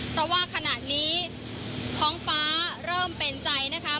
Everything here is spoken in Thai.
เพราะว่าขณะนี้ท้องฟ้าเริ่มเป็นใจนะคะ